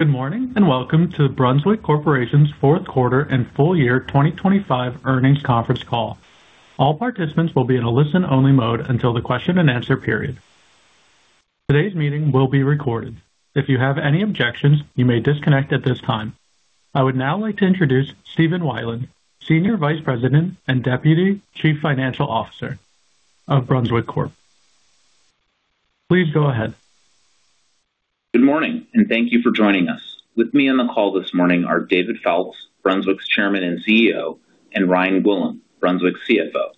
Good morning and welcome to Brunswick Corporation's Fourth Quarter and Full Year 2025 Earnings Conference Call. All participants will be in a listen-only mode until the question and answer period. Today's meeting will be recorded. If you have any objections, you may disconnect at this time. I would now like to introduce Stephen Weiland, Senior Vice President and Deputy Chief Financial Officer of Brunswick Corporation. Please go ahead. Good morning and thank you for joining us. With me on the call this morning are David Foulkes, Brunswick's Chairman and CEO, and Ryan Gwillim, Brunswick's CFO.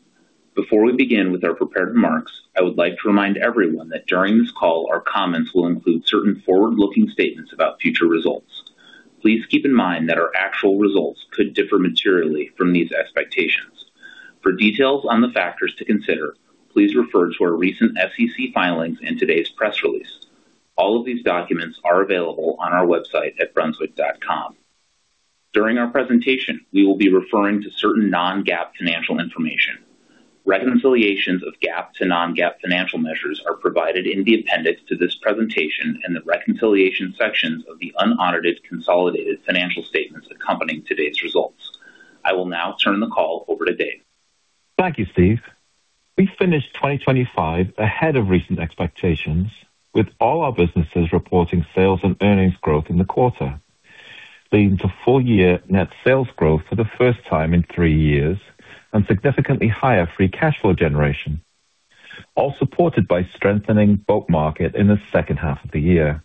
Before we begin with our prepared remarks, I would like to remind everyone that during this call, our comments will include certain forward-looking statements about future results. Please keep in mind that our actual results could differ materially from these expectations. For details on the factors to consider, please refer to our recent SEC filings and today's press release. All of these documents are available on our website at brunswick.com. During our presentation, we will be referring to certain non-GAAP financial information. Reconciliations of GAAP to non-GAAP financial measures are provided in the appendix to this presentation and the reconciliation sections of the unaudited consolidated financial statements accompanying today's results. I will now turn the call over to David. Thank you, Steve. We finished 2025 ahead of recent expectations, with all our businesses reporting sales and earnings growth in the quarter, leading to full-year net sales growth for the first time in three years and significantly higher free cash flow generation, all supported by strengthening boat market in the second half of the year.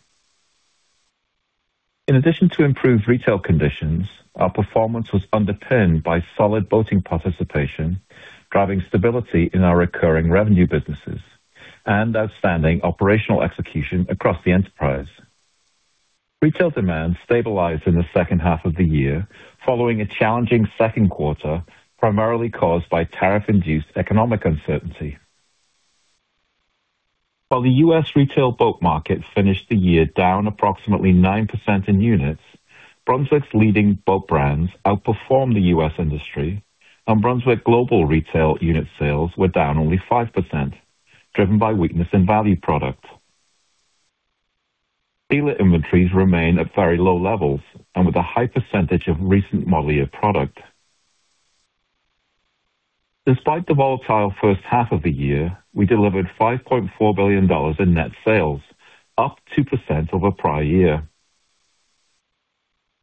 In addition to improved retail conditions, our performance was underpinned by solid boating participation, driving stability in our recurring revenue businesses and outstanding operational execution across the enterprise. Retail demand stabilized in the second half of the year following a challenging second quarter, primarily caused by tariff-induced economic uncertainty. While the U.S. retail boat market finished the year down approximately 9% in units, Brunswick's leading boat brands outperformed the U.S. industry, and Brunswick Global retail unit sales were down only 5%, driven by weakness in value product. Dealer inventories remain at very low levels and with a high percentage of recent model year product. Despite the volatile first half of the year, we delivered $5.4 billion in net sales, up 2% over prior year.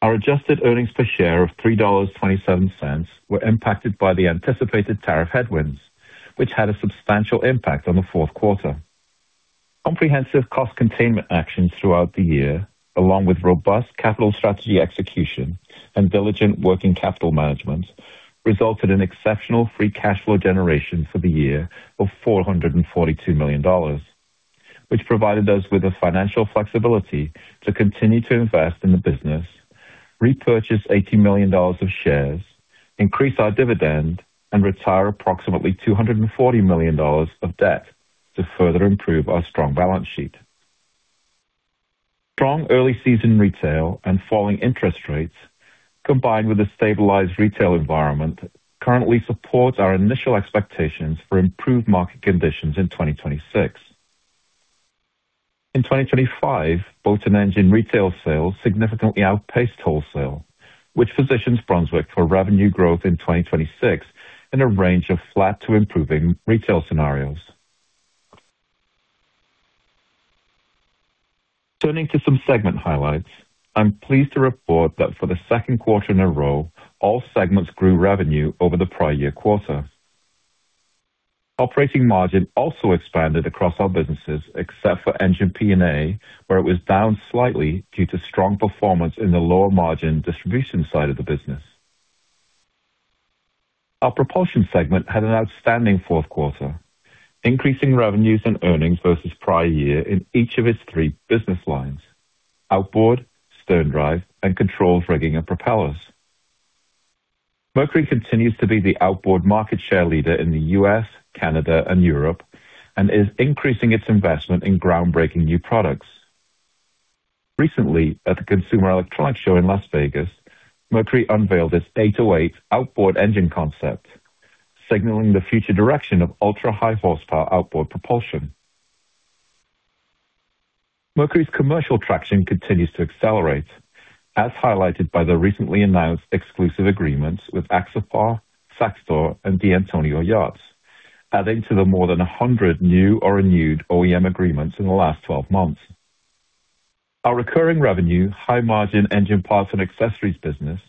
Our adjusted earnings per share of $3.27 were impacted by the anticipated tariff headwinds, which had a substantial impact on the fourth quarter. Comprehensive cost containment actions throughout the year, along with robust capital strategy execution and diligent working capital management, resulted in exceptional free cash flow generation for the year of $442 million, which provided us with the financial flexibility to continue to invest in the business, repurchase $80 million of shares, increase our dividend, and retire approximately $240 million of debt to further improve our strong balance sheet. Strong early season retail and falling interest rates, combined with a stabilized retail environment, currently support our initial expectations for improved market conditions in 2026. In 2025, boat and engine retail sales significantly outpaced wholesale, which positions Brunswick for revenue growth in 2026 in a range of flat to improving retail scenarios. Turning to some segment highlights, I'm pleased to report that for the second quarter in a row, all segments grew revenue over the prior year quarter. Operating margin also expanded across our businesses, except for Engine P&A, where it was down slightly due to strong performance in the lower margin distribution side of the business. Our propulsion segment had an outstanding fourth quarter, increasing revenues and earnings versus prior year in each of its three business lines: outboard, sterndrive, and controlled rigging and propellers. Mercury continues to be the outboard market share leader in the U.S., Canada, and Europe and is increasing its investment in groundbreaking new products. Recently, at the Consumer Electronics Show in Las Vegas, Mercury unveiled its 808 outboard engine concept, signaling the future direction of ultra-high horsepower outboard propulsion. Mercury's commercial traction continues to accelerate, as highlighted by the recently announced exclusive agreements with Axopar, Saxdor, and De Antonio Yachts, adding to the more than 100 new or renewed OEM agreements in the last 12 months. Our recurring revenue, high margin engine parts and accessories business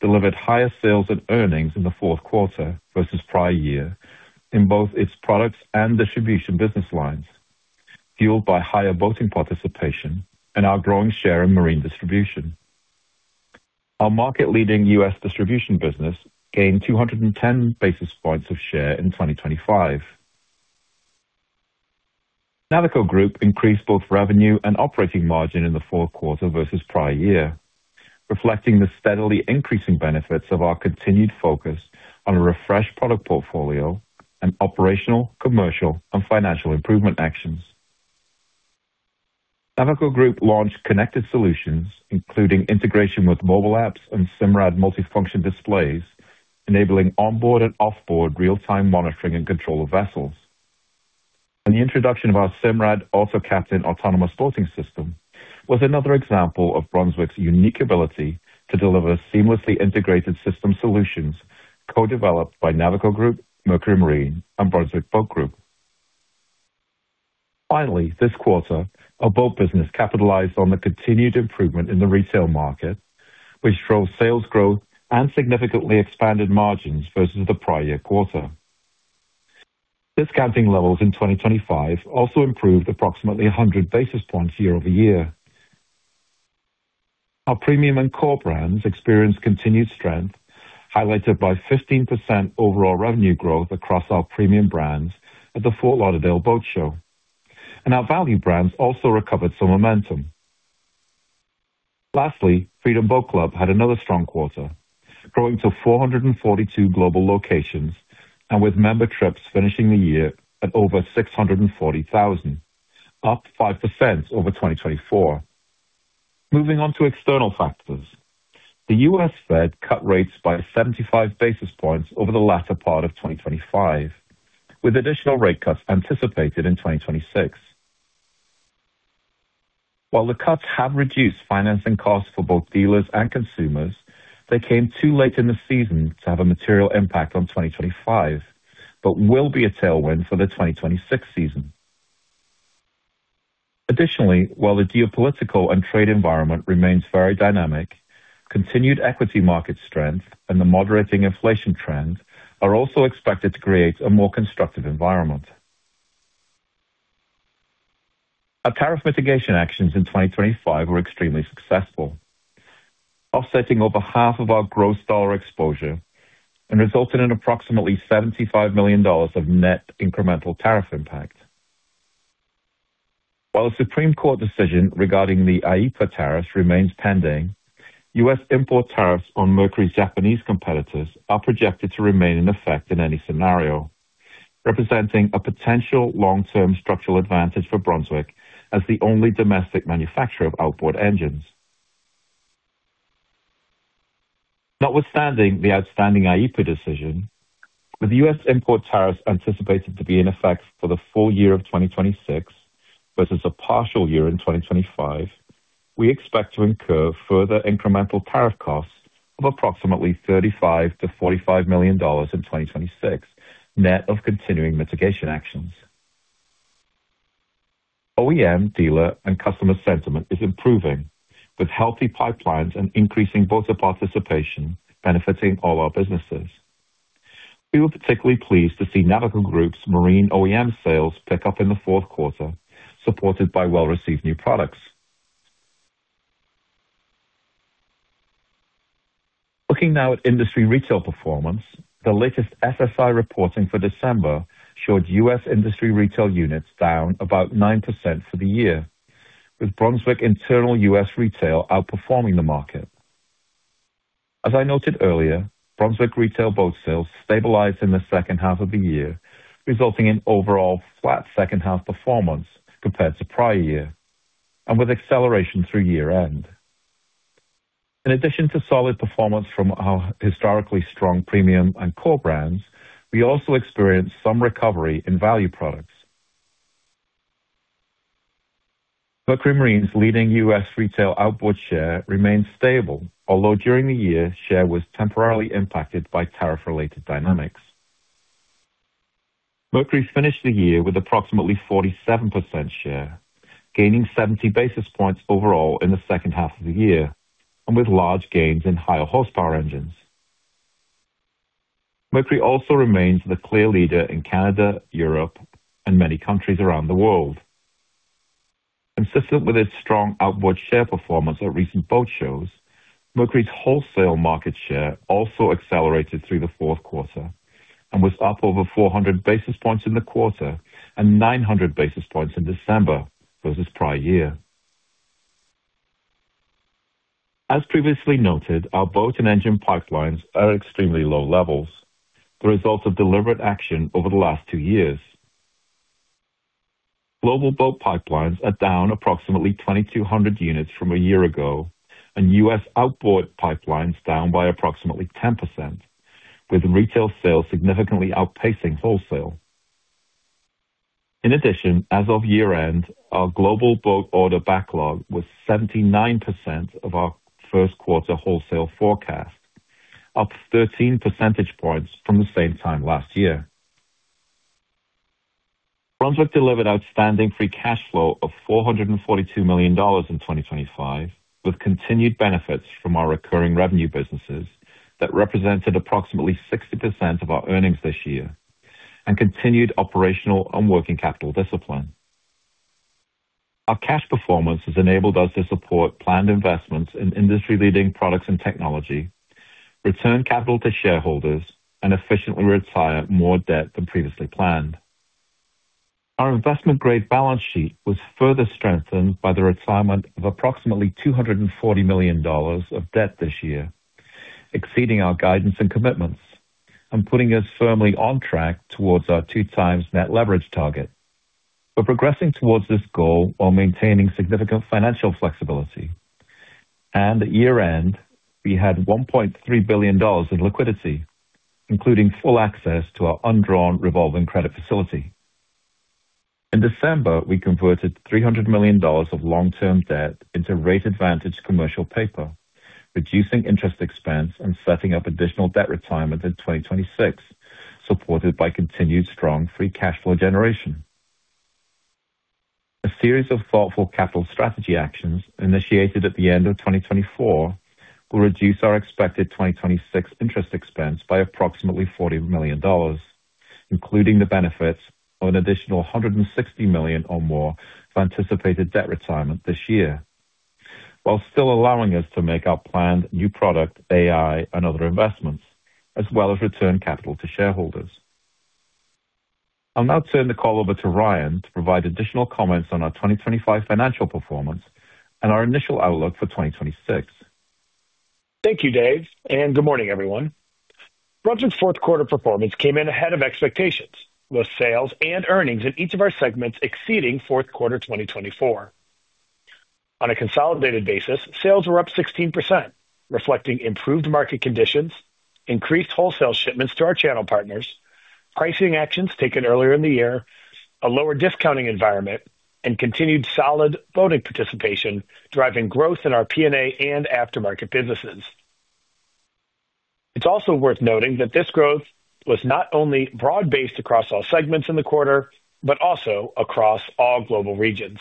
delivered higher sales and earnings in the fourth quarter versus prior year in both its products and distribution business lines, fueled by higher boating participation and our growing share in marine distribution. Our market-leading U.S. distribution business gained 210 basis points of share in 2025. Navico Group increased both revenue and operating margin in the fourth quarter versus prior year, reflecting the steadily increasing benefits of our continued focus on a refreshed product portfolio and operational, commercial, and financial improvement actions. Navico Group launched connected solutions, including integration with mobile apps and Simrad multifunction displays, enabling onboard and offboard real-time monitoring and control of vessels. The introduction of our Simrad AutoCaptain autonomous boating system was another example of Brunswick's unique ability to deliver seamlessly integrated system solutions co-developed by Navico Group, Mercury Marine, and Brunswick Boat Group. Finally, this quarter, our boat business capitalized on the continued improvement in the retail market, which drove sales growth and significantly expanded margins versus the prior year quarter. Discounting levels in 2025 also improved approximately 100 basis points year-over-year. Our premium and core brands experienced continued strength, highlighted by 15% overall revenue growth across our premium brands at the Fort Lauderdale Boat Show. Our value brands also recovered some momentum. Lastly, Freedom Boat Club had another strong quarter, growing to 442 global locations and with member trips finishing the year at over 640,000, up 5% over 2024. Moving on to external factors, the U.S. Fed cut rates by 75 basis points over the latter part of 2025, with additional rate cuts anticipated in 2026. While the cuts have reduced financing costs for both dealers and consumers, they came too late in the season to have a material impact on 2025 but will be a tailwind for the 2026 season. Additionally, while the geopolitical and trade environment remains very dynamic, continued equity market strength and the moderating inflation trend are also expected to create a more constructive environment. Our tariff mitigation actions in 2025 were extremely successful, offsetting over half of our gross dollar exposure and resulting in approximately $75 million of net incremental tariff impact. While a Supreme Court decision regarding the APA tariffs remains pending, U.S. import tariffs on Mercury's Japanese competitors are projected to remain in effect in any scenario, representing a potential long-term structural advantage for Brunswick as the only domestic manufacturer of outboard engines. Notwithstanding the outstanding APA decision, with U.S. import tariffs anticipated to be in effect for the full year of 2026 versus a partial year in 2025, we expect to incur further incremental tariff costs of approximately $35-$45 million in 2026, net of continuing mitigation actions. OEM, dealer, and customer sentiment is improving, with healthy pipelines and increasing boater participation benefiting all our businesses. We were particularly pleased to see Navico Group's marine OEM sales pick up in the fourth quarter, supported by well-received new products. Looking now at industry retail performance, the latest SSI reporting for December showed U.S. industry retail units down about 9% for the year, with Brunswick internal U.S. retail outperforming the market. As I noted earlier, Brunswick retail boat sales stabilized in the second half of the year, resulting in overall flat second-half performance compared to prior year and with acceleration through year-end. In addition to solid performance from our historically strong premium and core brands, we also experienced some recovery in value products. Mercury Marine's leading U.S. retail outboard share remained stable, although during the year, share was temporarily impacted by tariff-related dynamics. Mercury finished the year with approximately 47% share, gaining 70 basis points overall in the second half of the year and with large gains in higher horsepower engines. Mercury also remains the clear leader in Canada, Europe, and many countries around the world. Consistent with its strong outboard share performance at recent boat shows, Mercury's wholesale market share also accelerated through the fourth quarter and was up over 400 basis points in the quarter and 900 basis points in December versus prior year. As previously noted, our boat and engine pipelines are at extremely low levels, the result of deliberate action over the last two years. Global boat pipelines are down approximately 2,200 units from a year ago and U.S. outboard pipelines down by approximately 10%, with retail sales significantly outpacing wholesale. In addition, as of year-end, our global boat order backlog was 79% of our first quarter wholesale forecast, up 13 percentage points from the same time last year. Brunswick delivered outstanding Free Cash Flow of $442 million in 2025, with continued benefits from our recurring revenue businesses that represented approximately 60% of our earnings this year and continued operational and working capital discipline. Our cash performance has enabled us to support planned investments in industry-leading products and technology, return capital to shareholders, and efficiently retire more debt than previously planned. Our investment-grade balance sheet was further strengthened by the retirement of approximately $240 million of debt this year, exceeding our guidance and commitments and putting us firmly on track towards our 2x net leverage target. We're progressing towards this goal while maintaining significant financial flexibility. At year-end, we had $1.3 billion in liquidity, including full access to our undrawn revolving credit facility. In December, we converted $300 million of long-term debt into rate-advantaged commercial paper, reducing interest expense and setting up additional debt retirement in 2026, supported by continued strong free cash flow generation. A series of thoughtful capital strategy actions initiated at the end of 2024 will reduce our expected 2026 interest expense by approximately $40 million, including the benefits of an additional $160 million or more of anticipated debt retirement this year, while still allowing us to make our planned new product, AI, and other investments, as well as return capital to shareholders. I'll now turn the call over to Ryan to provide additional comments on our 2025 financial performance and our initial outlook for 2026. Thank you, Dave, and good morning, everyone. Brunswick's fourth quarter performance came in ahead of expectations, with sales and earnings in each of our segments exceeding fourth quarter 2024. On a consolidated basis, sales were up 16%, reflecting improved market conditions, increased wholesale shipments to our channel partners, pricing actions taken earlier in the year, a lower discounting environment, and continued solid boating participation driving growth in our P&A and aftermarket businesses. It's also worth noting that this growth was not only broad-based across all segments in the quarter but also across all global regions.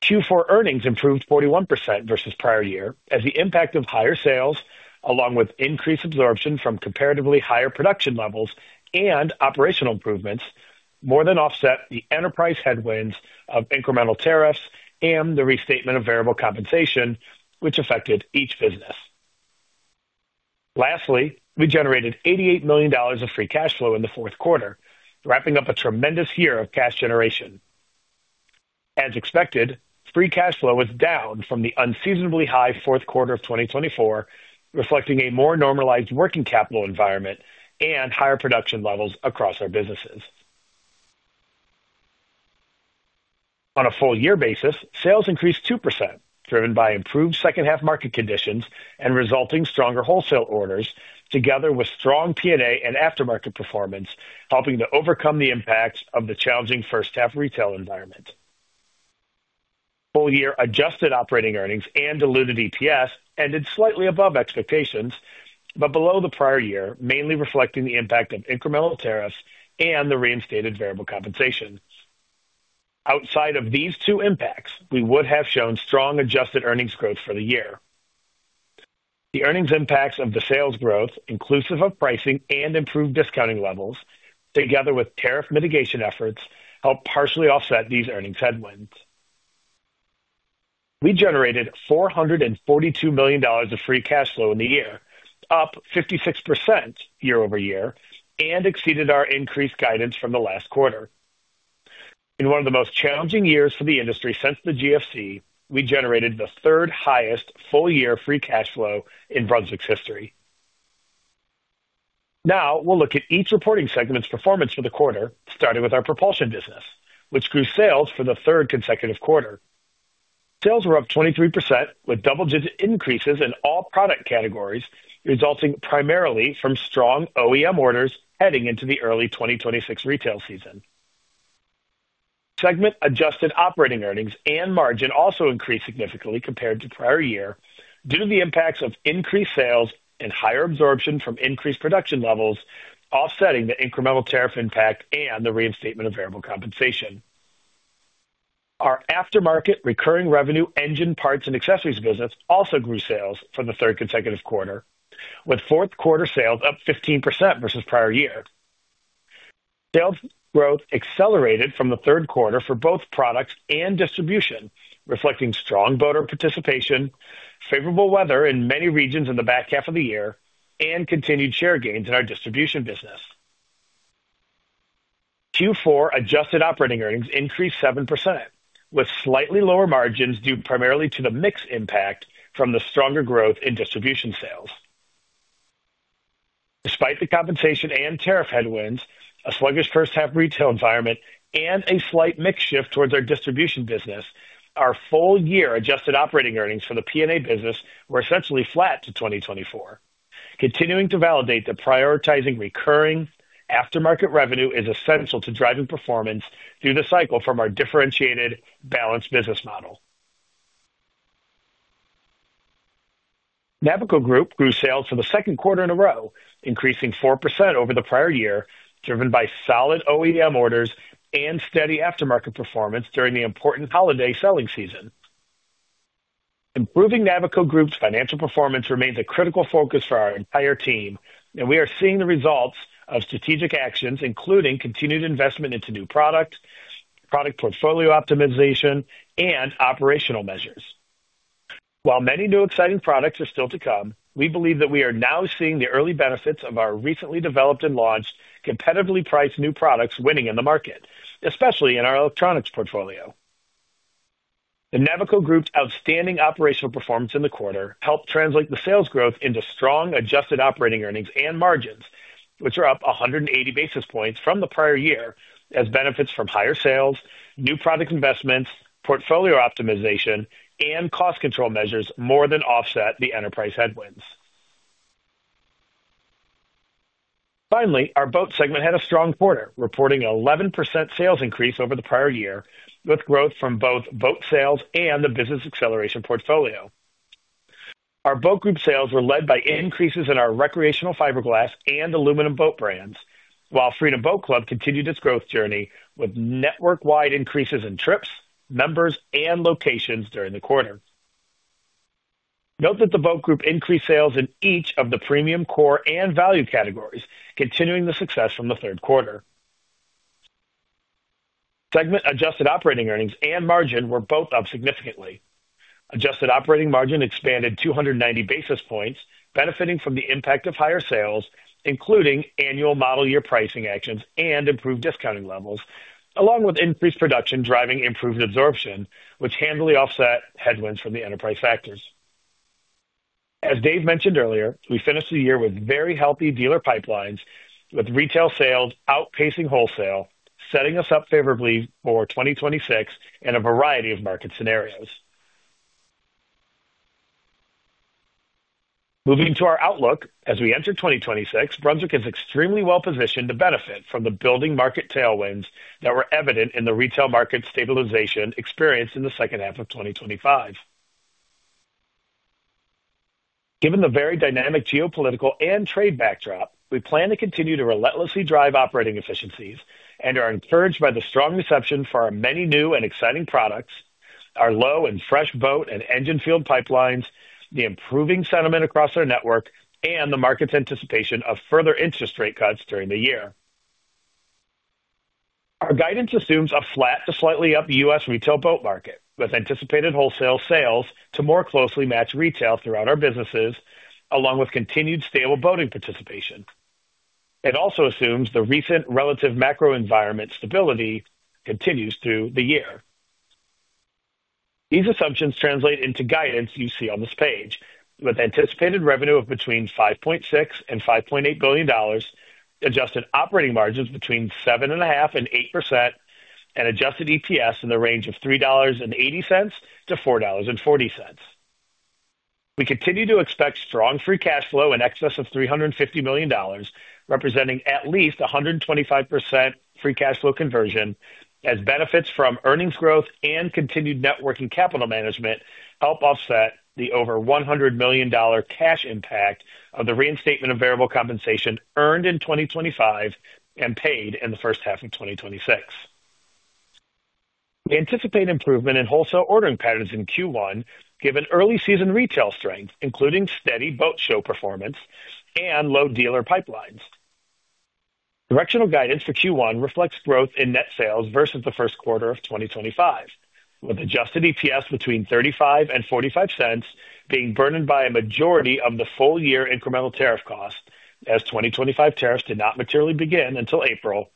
Q4 earnings improved 41% versus prior year as the impact of higher sales, along with increased absorption from comparatively higher production levels and operational improvements, more than offset the enterprise headwinds of incremental tariffs and the restatement of variable compensation, which affected each business. Lastly, we generated $88 million of free cash flow in the fourth quarter, wrapping up a tremendous year of cash generation. As expected, free cash flow was down from the unseasonably high fourth quarter of 2024, reflecting a more normalized working capital environment and higher production levels across our businesses. On a full-year basis, sales increased 2%, driven by improved second-half market conditions and resulting stronger wholesale orders, together with strong P&A and aftermarket performance, helping to overcome the impacts of the challenging first-half retail environment. Full-year adjusted operating earnings and diluted EPS ended slightly above expectations but below the prior year, mainly reflecting the impact of incremental tariffs and the reinstated variable compensation. Outside of these two impacts, we would have shown strong adjusted earnings growth for the year. The earnings impacts of the sales growth, inclusive of pricing and improved discounting levels, together with tariff mitigation efforts, helped partially offset these earnings headwinds. We generated $442 million of free cash flow in the year, up 56% year-over-year, and exceeded our increased guidance from the last quarter. In one of the most challenging years for the industry since the GFC, we generated the third highest full-year free cash flow in Brunswick's history. Now, we'll look at each reporting segment's performance for the quarter, starting with our propulsion business, which grew sales for the third consecutive quarter. Sales were up 23%, with double-digit increases in all product categories, resulting primarily from strong OEM orders heading into the early 2026 retail season. Segment-adjusted operating earnings and margin also increased significantly compared to prior year due to the impacts of increased sales and higher absorption from increased production levels, offsetting the incremental tariff impact and the reinstatement of variable compensation. Our aftermarket recurring revenue engine parts and accessories business also grew sales for the third consecutive quarter, with fourth-quarter sales up 15% versus prior year. Sales growth accelerated from the third quarter for both products and distribution, reflecting strong boater participation, favorable weather in many regions in the back half of the year, and continued share gains in our distribution business. Q4 adjusted operating earnings increased 7%, with slightly lower margins due primarily to the mixed impact from the stronger growth in distribution sales. Despite the compensation and tariff headwinds, a sluggish first-half retail environment, and a slight mix shift towards our distribution business, our full-year adjusted operating earnings for the P&A business were essentially flat to 2024. Continuing to validate the prioritizing recurring aftermarket revenue is essential to driving performance through the cycle from our differentiated balanced business model. Navico Group grew sales for the second quarter in a row, increasing 4% over the prior year, driven by solid OEM orders and steady aftermarket performance during the important holiday selling season. Improving Navico Group's financial performance remains a critical focus for our entire team, and we are seeing the results of strategic actions, including continued investment into new product, product portfolio optimization, and operational measures. While many new exciting products are still to come, we believe that we are now seeing the early benefits of our recently developed and launched competitively priced new products winning in the market, especially in our electronics portfolio. The Navico Group's outstanding operational performance in the quarter helped translate the sales growth into strong adjusted operating earnings and margins, which are up 180 basis points from the prior year, as benefits from higher sales, new product investments, portfolio optimization, and cost control measures more than offset the enterprise headwinds. Finally, our boat segment had a strong quarter, reporting an 11% sales increase over the prior year, with growth from both boat sales and the business acceleration portfolio. Our boat group sales were led by increases in our recreational fiberglass and aluminum boat brands, while Freedom Boat Club continued its growth journey with network-wide increases in trips, members, and locations during the quarter. Note that the boat group increased sales in each of the premium, core, and value categories, continuing the success from the third quarter. Segment-adjusted operating earnings and margin were both up significantly. Adjusted operating margin expanded 290 basis points, benefiting from the impact of higher sales, including annual model year pricing actions and improved discounting levels, along with increased production driving improved absorption, which handily offset headwinds from the enterprise factors. As Dave mentioned earlier, we finished the year with very healthy dealer pipelines, with retail sales outpacing wholesale, setting us up favorably for 2026 in a variety of market scenarios. Moving to our outlook, as we enter 2026, Brunswick is extremely well-positioned to benefit from the building market tailwinds that were evident in the retail market stabilization experienced in the second half of 2025. Given the very dynamic geopolitical and trade backdrop, we plan to continue to relentlessly drive operating efficiencies and are encouraged by the strong reception for our many new and exciting products, our low and fresh boat and engine field pipelines, the improving sentiment across our network, and the market's anticipation of further interest rate cuts during the year. Our guidance assumes a flat to slightly up U.S. retail boat market, with anticipated wholesale sales to more closely match retail throughout our businesses, along with continued stable boating participation. It also assumes the recent relative macro environment stability continues through the year. These assumptions translate into guidance you see on this page, with anticipated revenue of between $5.6-$5.8 billion, adjusted operating margins between 7.5%-8%, and adjusted EPS in the range of $3.80-$4.40. We continue to expect strong free cash flow in excess of $350 million, representing at least 125% free cash flow conversion, as benefits from earnings growth and continued net working capital management help offset the over $100 million cash impact of the reinstatement of variable compensation earned in 2025 and paid in the first half of 2026. We anticipate improvement in wholesale ordering patterns in Q1, given early season retail strength, including steady boat show performance and low dealer pipelines. Directional guidance for Q1 reflects growth in net sales versus the first quarter of 2025, with adjusted EPS between $0.35 and $0.45 being burdened by a majority of the full-year incremental tariff costs, as 2025 tariffs did not materially begin until April,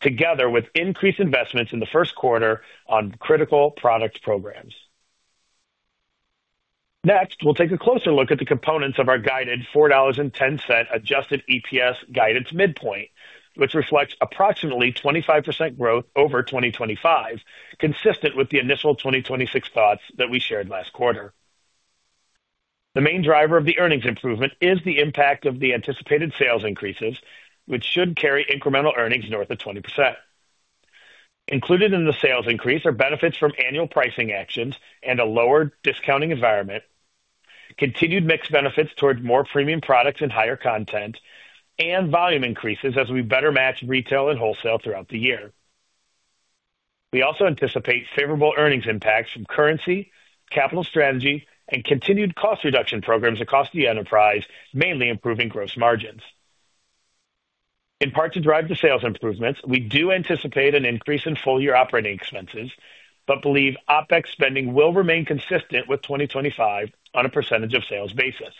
together with increased investments in the first quarter on critical product programs. Next, we'll take a closer look at the components of our guided $4.10 adjusted EPS guidance midpoint, which reflects approximately 25% growth over 2025, consistent with the initial 2026 thoughts that we shared last quarter. The main driver of the earnings improvement is the impact of the anticipated sales increases, which should carry incremental earnings north of 20%. Included in the sales increase are benefits from annual pricing actions and a lower discounting environment, continued mixed benefits toward more premium products and higher content, and volume increases as we better match retail and wholesale throughout the year. We also anticipate favorable earnings impacts from currency, capital strategy, and continued cost reduction programs across the enterprise, mainly improving gross margins. In part to drive the sales improvements, we do anticipate an increase in full-year operating expenses but believe OpEx spending will remain consistent with 2025 on a percentage of sales basis.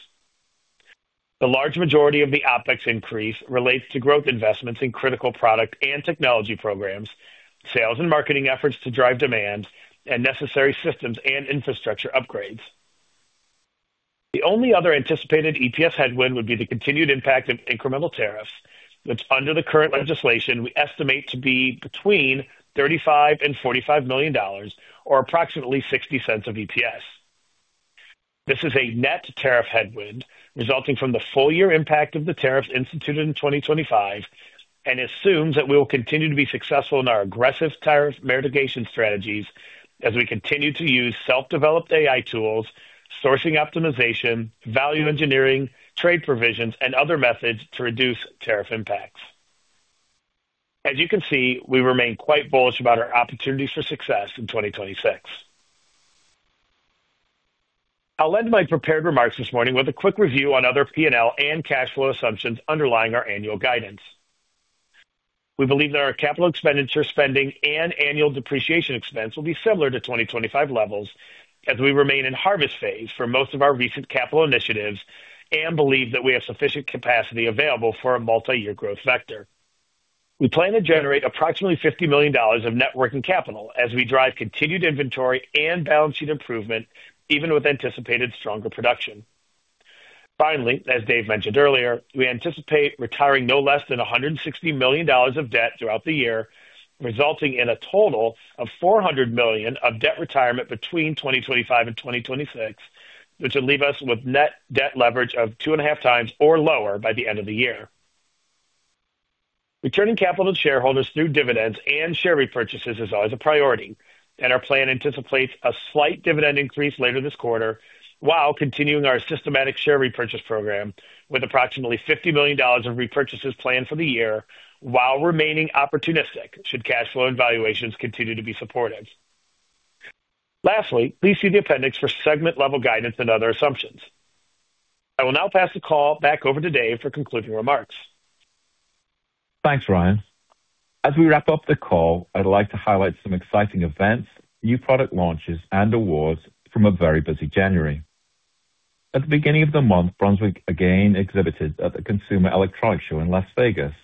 The large majority of the OpEx increase relates to growth investments in critical product and technology programs, sales and marketing efforts to drive demand, and necessary systems and infrastructure upgrades. The only other anticipated EPS headwind would be the continued impact of incremental tariffs, which under the current legislation we estimate to be between $35-$45 million, or approximately $0.60 of EPS. This is a net tariff headwind resulting from the full-year impact of the tariffs instituted in 2025 and assumes that we will continue to be successful in our aggressive tariff mitigation strategies as we continue to use self-developed AI tools, sourcing optimization, value engineering, trade provisions, and other methods to reduce tariff impacts. As you can see, we remain quite bullish about our opportunities for success in 2026. I'll end my prepared remarks this morning with a quick review on other P&L and cash flow assumptions underlying our annual guidance. We believe that our capital expenditure spending and annual depreciation expense will be similar to 2025 levels as we remain in harvest phase for most of our recent capital initiatives and believe that we have sufficient capacity available for a multi-year growth vector. We plan to generate approximately $50 million of working capital as we drive continued inventory and balance sheet improvement, even with anticipated stronger production. Finally, as Dave mentioned earlier, we anticipate retiring no less than $160 million of debt throughout the year, resulting in a total of $400 million of debt retirement between 2025 and 2026, which will leave us with net debt leverage of 2.5x or lower by the end of the year. Returning capital to shareholders through dividends and share repurchases is always a priority, and our plan anticipates a slight dividend increase later this quarter while continuing our systematic share repurchase program with approximately $50 million of repurchases planned for the year, while remaining opportunistic should cash flow and valuations continue to be supportive. Lastly, please see the appendix for segment-level guidance and other assumptions. I will now pass the call back over to Dave for concluding remarks. Thanks, Ryan. As we wrap up the call, I'd like to highlight some exciting events, new product launches, and awards from a very busy January. At the beginning of the month, Brunswick again exhibited at the Consumer Electronics Show in Las Vegas,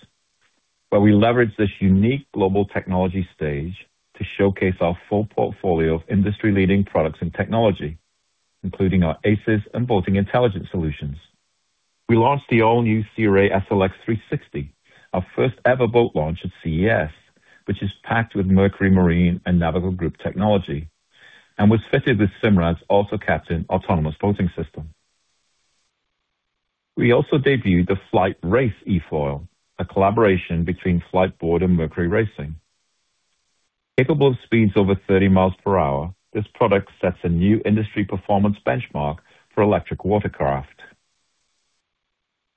where we leveraged this unique global technology stage to showcase our full portfolio of industry-leading products and technology, including our ACES and boating intelligence solutions. We launched the all-new Sea Ray SLX 360, our first-ever boat launch at CES, which is packed with Mercury Marine and Navico Group technology and was fitted with Simrad's AutoCaptain autonomous boating system. We also debuted the Flite Race eFoil, a collaboration between Fliteboard and Mercury Racing. Capable of speeds over 30 miles per hour, this product sets a new industry performance benchmark for electric watercraft.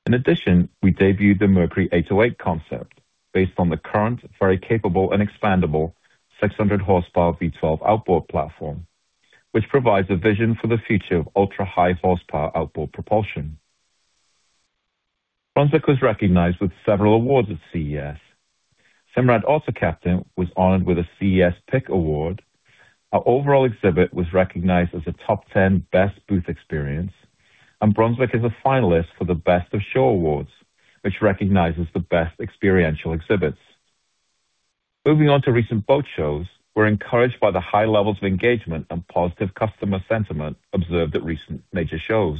In addition, we debuted the Mercury 808 Concept based on the current, very capable, and expandable 600-horsepower V12 outboard platform, which provides a vision for the future of ultra-high-horsepower outboard propulsion. Brunswick was recognized with several awards at CES. Simrad AutoCaptain was honored with a CES Pick Award. Our overall exhibit was recognized as a top 10 best booth experience, and Brunswick is a finalist for the Best of Show Awards, which recognizes the best experiential exhibits. Moving on to recent boat shows, we're encouraged by the high levels of engagement and positive customer sentiment observed at recent major shows.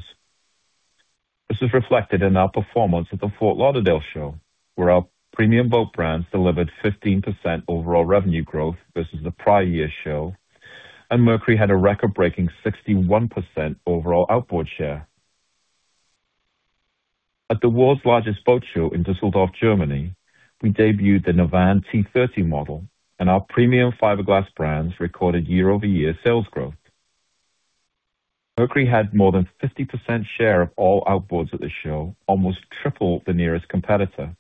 This was reflected in our performance at the Fort Lauderdale Show, where our premium boat brands delivered 15% overall revenue growth versus the prior year's show, and Mercury had a record-breaking 61% overall outboard share. At the world's largest boat show in Düsseldorf, Germany, we debuted the Navan C30 model, and our premium fiberglass brands recorded year-over-year sales growth. Mercury had more than 50% share of all outboards at the show, almost triple the nearest competitor,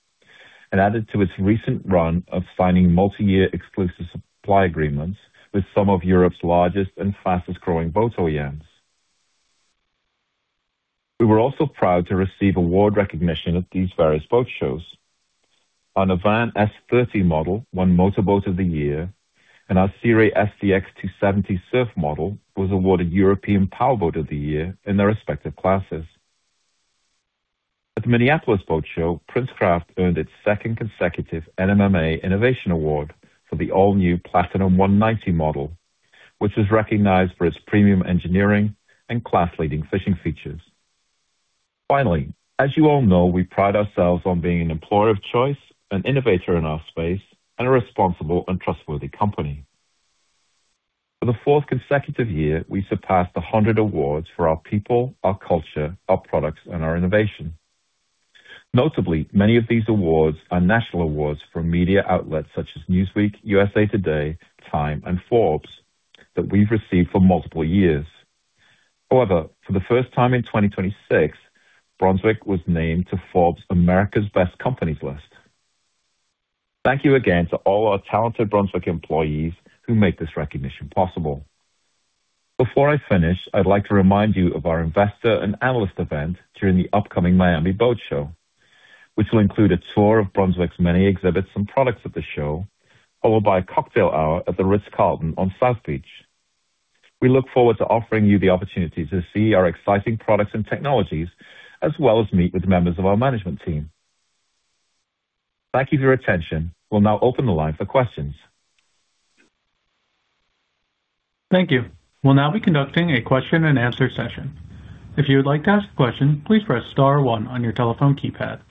and added to its recent run of signing multi-year exclusive supply agreements with some of Europe's largest and fastest-growing boat OEMs. We were also proud to receive award recognition at these various boat shows. Our Navan S30 model won Motorboat of the Year, and our Sea Ray SDX 270 Surf model was awarded European Powerboat of the Year in their respective classes. At the Minneapolis Boat Show, Princecraft earned its second consecutive NMMA Innovation Award for the all-new Platinum 190 model, which was recognized for its premium engineering and class-leading fishing features. Finally, as you all know, we pride ourselves on being an employer of choice, an innovator in our space, and a responsible and trustworthy company. For the fourth consecutive year, we surpassed 100 awards for our people, our culture, our products, and our innovation. Notably, many of these awards are national awards from media outlets such as Newsweek, USA Today, Time, and Forbes that we've received for multiple years. However, for the first time in 2026, Brunswick was named to Forbes' America's Best Companies list. Thank you again to all our talented Brunswick employees who make this recognition possible. Before I finish, I'd like to remind you of our investor and analyst event during the upcoming Miami Boat Show, which will include a tour of Brunswick's many exhibits and products at the show, followed by a cocktail hour at the Ritz-Carlton on South Beach. We look forward to offering you the opportunity to see our exciting products and technologies, as well as meet with members of our management team. Thank you for your attention. We'll now open the line for questions. Thank you. We'll now be conducting a question-and-answer session. If you would like to ask a question, please press star one on your telephone keypad.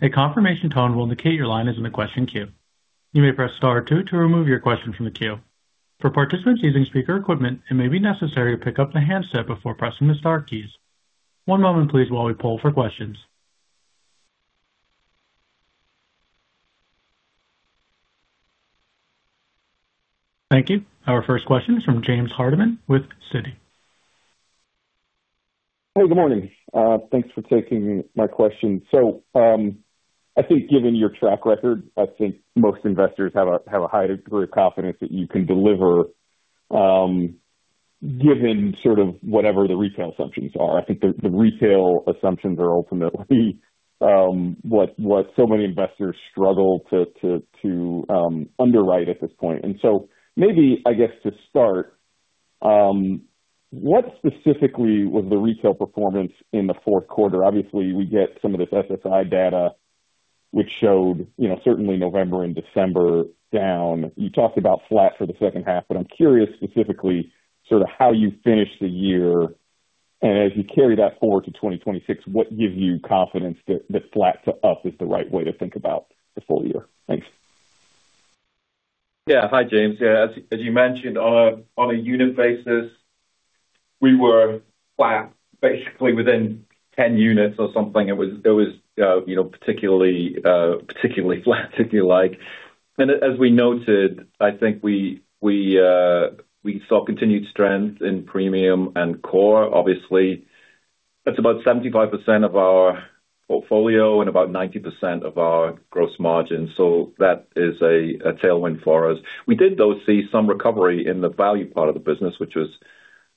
A confirmation tone will indicate your line is in the question queue. You may press star two to remove your question from the queue. For participants using speaker equipment, it may be necessary to pick up the handset before pressing the star keys. One moment, please, while we pull for questions. Thank you. Our first question is from James Hardiman with Citi. Hey, good morning. Thanks for taking my question. So I think given your track record, I think most investors have a high degree of confidence that you can deliver given sort of whatever the retail assumptions are. I think the retail assumptions are ultimately what so many investors struggle to underwrite at this point. And so maybe, I guess, to start, what specifically was the retail performance in the fourth quarter? Obviously, we get some of this SSI data, which showed certainly November and December down. You talked about flat for the second half, but I'm curious specifically sort of how you finished the year. As you carry that forward to 2026, what gives you confidence that flat to up is the right way to think about the full year? Thanks. Yeah. Hi, James. Yeah. As you mentioned, on a unit basis, we were flat, basically within 10 units or something. It was particularly flat, if you like. And as we noted, I think we saw continued strength in premium and core, obviously. That's about 75% of our portfolio and about 90% of our gross margin. So that is a tailwind for us. We did, though, see some recovery in the value part of the business, which was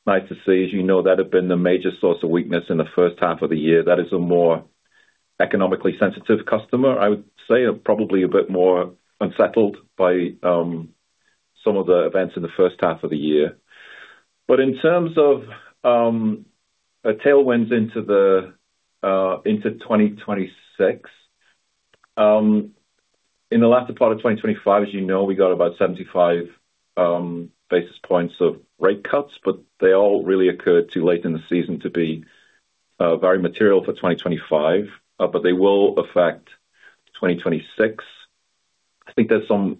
nice to see. As you know, that had been the major source of weakness in the first half of the year. That is a more economically sensitive customer, I would say, and probably a bit more unsettled by some of the events in the first half of the year. But in terms of tailwinds into 2026, in the latter part of 2025, as you know, we got about 75 basis points of rate cuts, but they all really occurred too late in the season to be very material for 2025. But they will affect 2026. I think there's some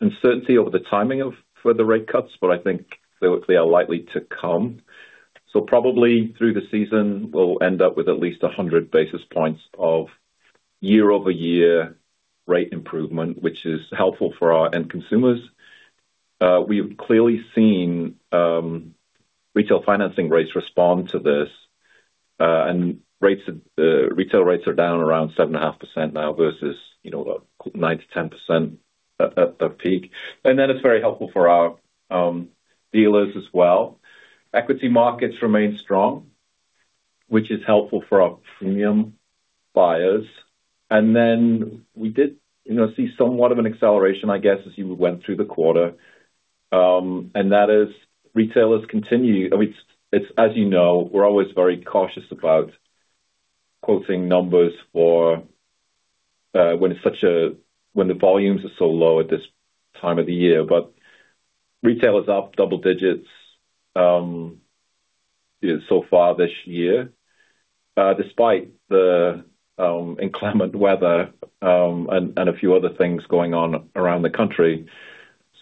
uncertainty over the timing for the rate cuts, but I think they are likely to come. So probably through the season, we'll end up with at least 100 basis points of year-over-year rate improvement, which is helpful for our end consumers. We've clearly seen retail financing rates respond to this, and retail rates are down around 7.5% now versus 9%-10% at the peak. That is very helpful for our dealers as well. Equity markets remain strong, which is helpful for our premium buyers. Then we did see somewhat of an acceleration, I guess, as you went through the quarter. That is, retailers continue, as you know, we're always very cautious about quoting numbers when the volumes are so low at this time of the year. But retailers are up double digits so far this year, despite the inclement weather and a few other things going on around the country.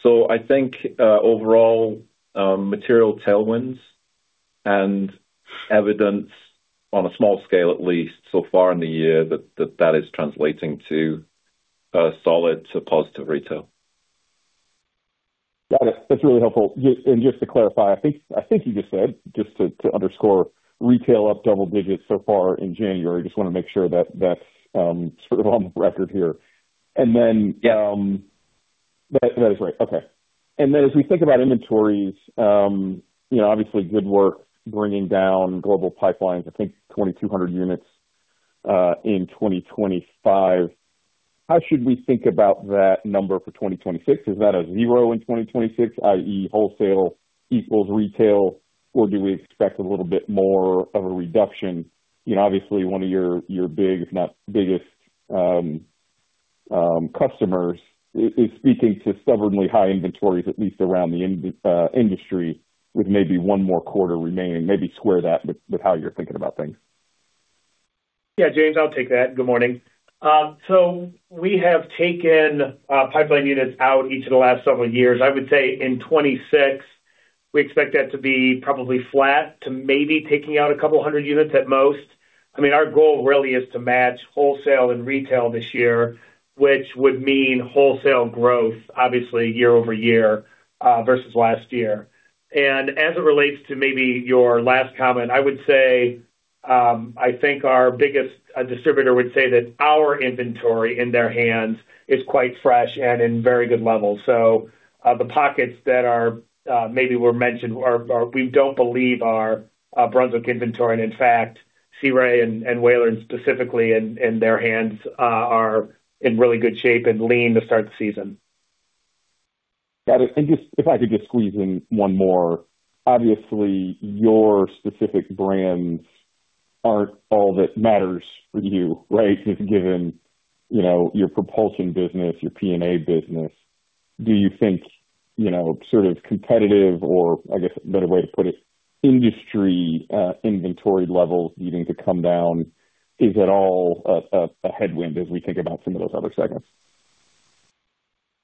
So I think overall, material tailwinds and evidence on a small scale, at least so far in the year, that that is translating to solid to positive retail. Got it. That's really helpful. Just to clarify, I think you just said, just to underscore, retail up double digits so far in January. I just want to make sure that that's sort of on the record here. And then that is right. Okay. And then as we think about inventories, obviously, Goodwork bringing down global pipelines, I think 2,200 units in 2025. How should we think about that number for 2026? Is that a zero in 2026, i.e., wholesale equals retail, or do we expect a little bit more of a reduction? Obviously, one of your big, if not biggest, customers is speaking to stubbornly high inventories, at least around the industry, with maybe one more quarter remaining. Maybe square that with how you're thinking about things. Yeah, James, I'll take that. Good morning. So we have taken pipeline units out each of the last several years. I would say in 2026, we expect that to be probably flat to maybe taking out a couple hundred units at most. I mean, our goal really is to match wholesale and retail this year, which would mean wholesale growth, obviously, year-over-year versus last year. And as it relates to maybe your last comment, I would say I think our biggest distributor would say that our inventory in their hands is quite fresh and in very good level. So the pockets that maybe were mentioned, we don't believe are Brunswick inventory. And in fact, Sea Ray and Boston Whaler, specifically in their hands, are in really good shape and lean to start the season. Got it. And if I could just squeeze in one more, obviously, your specific brands aren't all that matters for you, right? Given your propulsion business, your P&A business, do you think sort of competitive or, I guess, a better way to put it, industry inventory levels needing to come down is at all a headwind as we think about some of those other segments?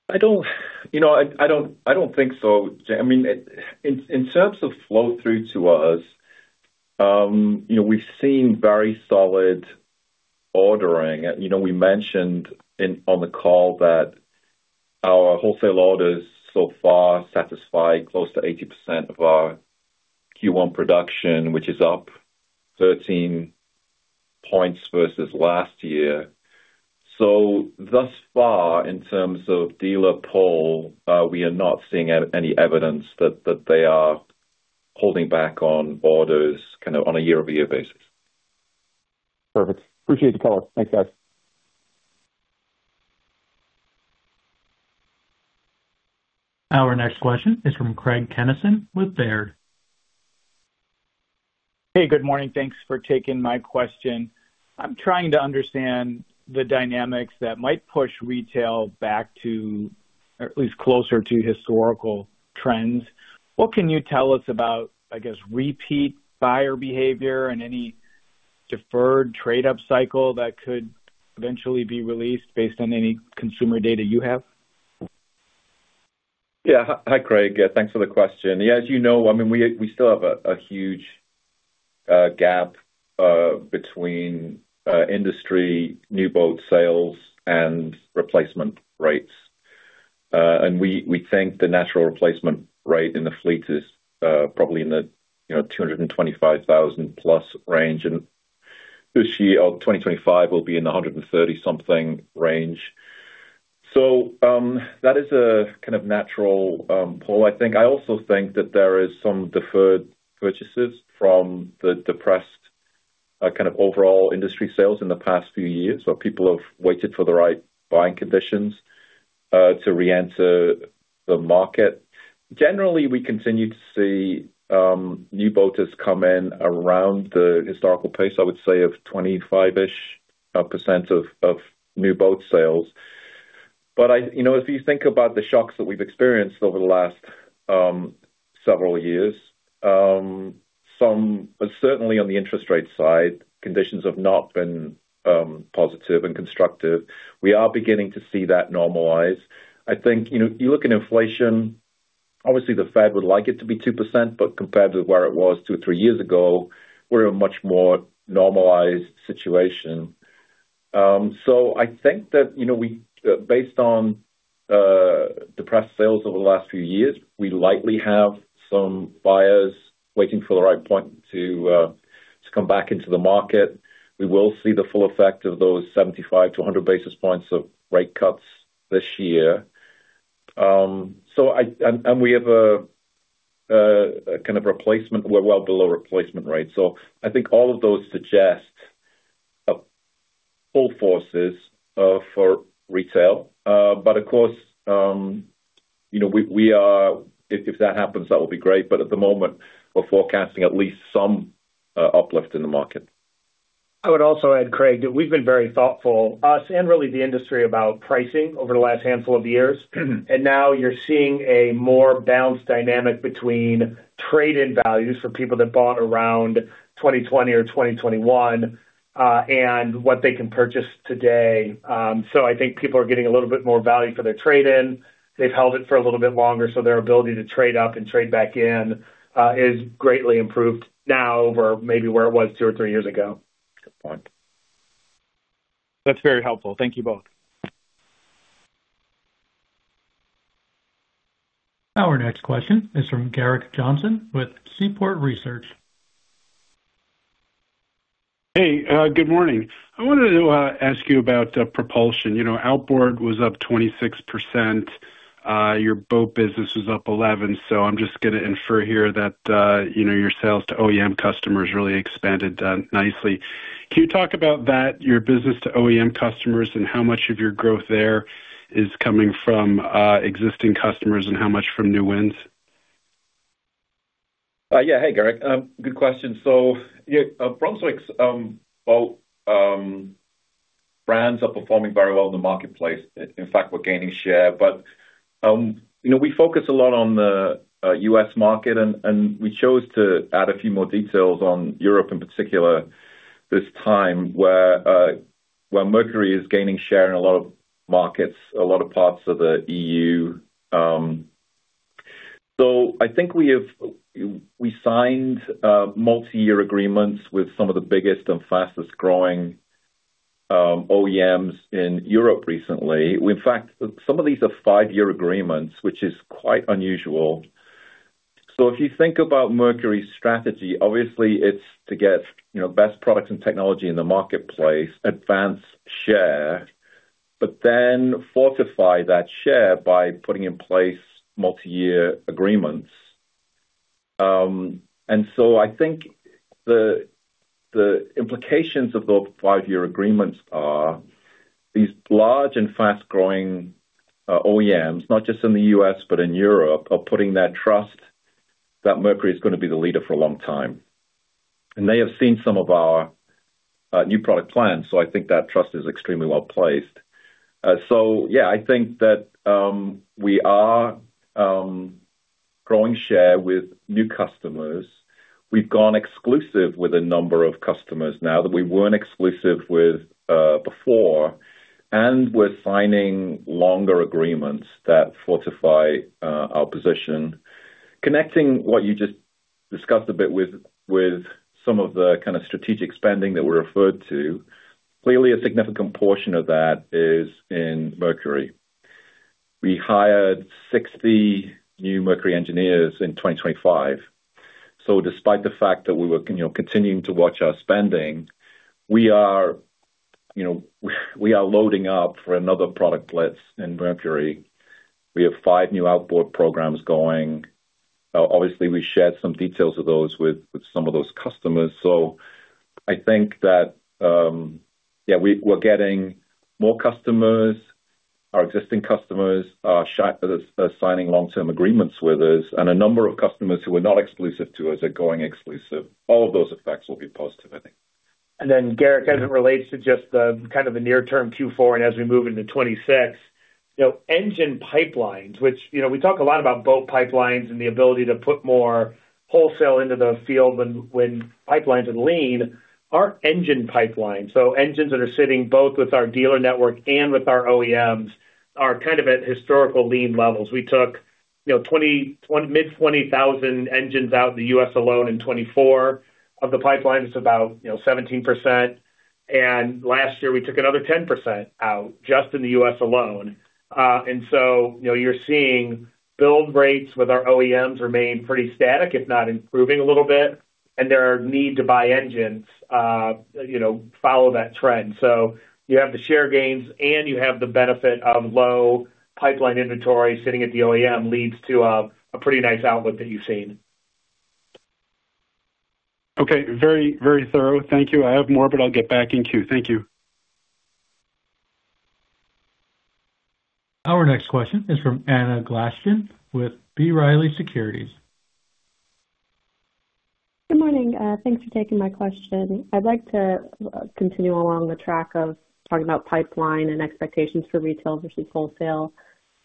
I don't think so. I mean, in terms of flow through to us, we've seen very solid ordering. We mentioned on the call that our wholesale orders so far satisfy close to 80% of our Q1 production, which is up 13 points versus last year. So thus far, in terms of dealer pull, we are not seeing any evidence that they are holding back on orders kind of on a year-over-year basis. Perfect. Appreciate the color. Thanks, guys. Our next question is from Craig Kennison with Baird. Hey, good morning. Thanks for taking my question. I'm trying to understand the dynamics that might push retail back to, or at least closer to, historical trends. What can you tell us about, I guess, repeat buyer behavior and any deferred trade-up cycle that could eventually be released based on any consumer data you have? Yeah. Hi, Craig. Yeah, thanks for the question. Yeah, as you know, I mean, we still have a huge gap between industry new boat sales and replacement rates. And we think the natural replacement rate in the fleet is probably in the 225,000-plus range. And this year, 2025, we'll be in the 130-something range. So that is a kind of natural pull, I think. I also think that there are some deferred purchases from the depressed kind of overall industry sales in the past few years, where people have waited for the right buying conditions to re-enter the market. Generally, we continue to see new boaters come in around the historical pace, I would say, of 25-ish% of new boat sales. But if you think about the shocks that we've experienced over the last several years, certainly on the interest rate side, conditions have not been positive and constructive. We are beginning to see that normalize. I think you look at inflation, obviously, the Fed would like it to be 2%, but compared to where it was two or three years ago, we're in a much more normalized situation. So I think that based on depressed sales over the last few years, we likely have some buyers waiting for the right point to come back into the market. We will see the full effect of those 75-100 basis points of rate cuts this year. And we have a kind of replacement, we're well below replacement rates. So I think all of those suggest pull forces for retail. But of course, if that happens, that will be great. But at the moment, we're forecasting at least some uplift in the market. I would also add, Craig, that we've been very thoughtful, us and really the industry, about pricing over the last handful of years. And now you're seeing a more balanced dynamic between trade-in values for people that bought around 2020 or 2021 and what they can purchase today. So I think people are getting a little bit more value for their trade-in. They've held it for a little bit longer, so their ability to trade up and trade back in is greatly improved now over maybe where it was two or three years ago. Good point. That's very helpful. Thank you both. Our next question is from Gerrick Johnson with Seaport Research. Hey, good morning. I wanted to ask you about propulsion. Outboard was up 26%. Your boat business was up 11%. So I'm just going to infer here that your sales to OEM customers really expanded nicely. Can you talk about that, your business to OEM customers and how much of your growth there is coming from existing customers and how much from new wins? Yeah. Hey, Gerrick. Good question. So Brunswick's boat brands are performing very well in the marketplace. In fact, we're gaining share. But we focus a lot on the U.S. market, and we chose to add a few more details on Europe in particular this time, where Mercury is gaining share in a lot of markets, a lot of parts of the E.U. So I think we signed multi-year agreements with some of the biggest and fastest-growing OEMs in Europe recently. In fact, some of these are five-year agreements, which is quite unusual. So if you think about Mercury's strategy, obviously, it's to get best products and technology in the marketplace, advance share, but then fortify that share by putting in place multi-year agreements. And so I think the implications of those five-year agreements are these large and fast-growing OEMs, not just in the U.S., but in Europe, are putting that trust that Mercury is going to be the leader for a long time. And they have seen some of our new product plans, so I think that trust is extremely well placed. So yeah, I think that we are growing share with new customers. We've gone exclusive with a number of customers now that we weren't exclusive with before. And we're signing longer agreements that fortify our position. Connecting what you just discussed a bit with some of the kind of strategic spending that we referred to, clearly, a significant portion of that is in Mercury. We hired 60 new Mercury engineers in 2025. So despite the fact that we were continuing to watch our spending, we are loading up for another product blitz in Mercury. We have five new outboard programs going. Obviously, we shared some details of those with some of those customers. So I think that, yeah, we're getting more customers. Our existing customers are signing long-term agreements with us. And a number of customers who are not exclusive to us are going exclusive. All of those effects will be positive, I think. Then, Gerrick, as it relates to just kind of the near-term Q4 and as we move into 2026, engine pipelines, which we talk a lot about boat pipelines and the ability to put more wholesale into the field when pipelines are lean, our engine pipelines, so engines that are sitting both with our dealer network and with our OEMs, are kind of at historical lean levels. We took mid-20,000 engines out in the U.S. alone in 2024. Of the pipelines, it's about 17%. And last year, we took another 10% out just in the U.S. alone. And so you're seeing build rates with our OEMs remain pretty static, if not improving a little bit. And their need to buy engines follows that trend. So you have the share gains, and you have the benefit of low pipeline inventory sitting at the OEM leads to a pretty nice outlook that you've seen. Okay. Very, very thorough. Thank you. I have more, but I'll get back in queue. Thank you. Our next question is from Anna Glaessgen with B. Riley Securities. Good morning. Thanks for taking my question. I'd like to continue along the track of talking about pipeline and expectations for retail versus wholesale.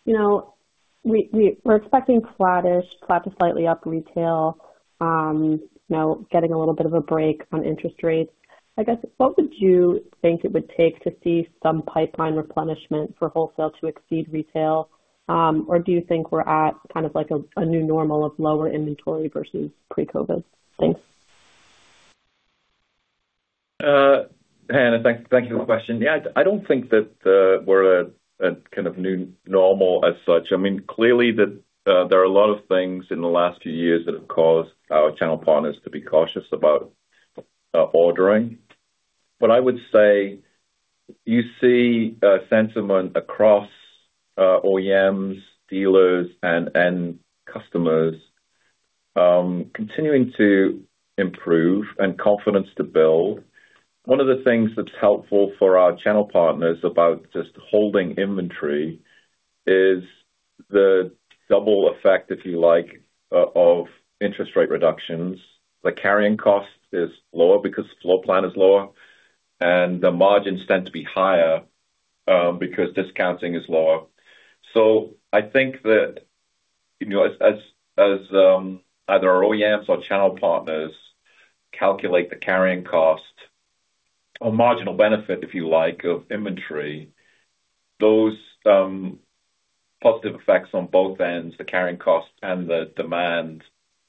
We're expecting flattish, flat to slightly up retail, getting a little bit of a break on interest rates. I guess, what would you think it would take to see some pipeline replenishment for wholesale to exceed retail? Or do you think we're at kind of a new normal of lower inventory versus pre-COVID? Thanks. Hey, Anna, thank you for the question. Yeah, I don't think that we're at kind of new normal as such. I mean, clearly, there are a lot of things in the last few years that have caused our channel partners to be cautious about ordering. But I would say you see a sentiment across OEMs, dealers, and customers continuing to improve and confidence to build. One of the things that's helpful for our channel partners about just holding inventory is the double effect, if you like, of interest rate reductions. The carrying cost is lower because floor plan is lower, and the margins tend to be higher because discounting is lower. So I think that as either our OEMs or channel partners calculate the carrying cost or marginal benefit, if you like, of inventory, those positive effects on both ends, the carrying cost and the demand,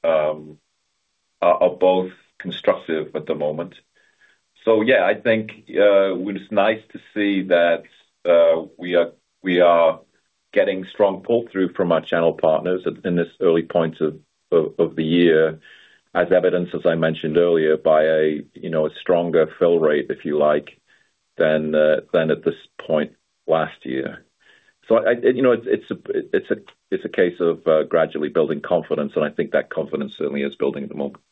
are both constructive at the moment. So yeah, I think it's nice to see that we are getting strong pull-through from our channel partners in this early point of the year, as evidence, as I mentioned earlier, by a stronger fill rate, if you like, than at this point last year. So it's a case of gradually building confidence, and I think that confidence certainly is building at the moment.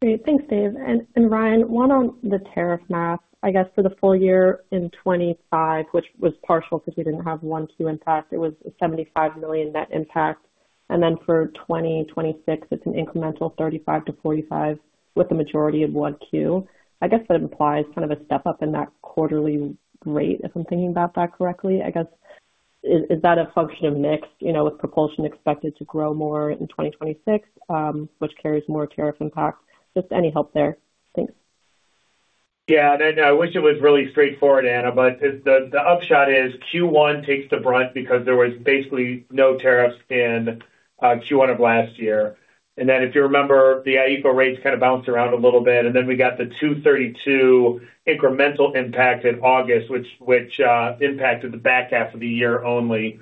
Great. Thanks, Dave. And Ryan, one on the tariff math, I guess, for the full year in 2025, which was partial because we didn't have Q1 impact, it was a $75 million net impact. And then for 2026, it's an incremental $35 million-$45 million with a majority of Q1. I guess that implies kind of a step up in that quarterly rate, if I'm thinking about that correctly. I guess, is that a function of mix with propulsion expected to grow more in 2026, which carries more tariff impact? Just any help there? Thanks. Yeah. I wish it was really straightforward, Anna, but the upshot is Q1 takes the brunt because there was basically no tariffs in Q1 of last year. And then if you remember, the ACES rates kind of bounced around a little bit. And then we got the 232 incremental impact in August, which impacted the back half of the year only.